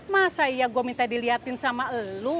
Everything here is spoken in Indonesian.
masa iya gua minta diliatin sama elu